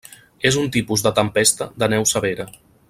És un tipus de tempesta de neu severa.